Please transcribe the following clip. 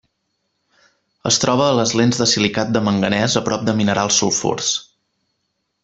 Es troba a les lents de silicat de manganès a prop de minerals sulfurs.